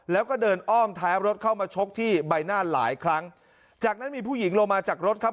แล้วก็เดินอ้อมท้ายรถเข้ามาชกที่ใบหน้าหลายครั้งจากนั้นมีผู้หญิงลงมาจากรถครับ